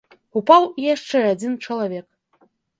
Упаў і яшчэ адзін чалавек.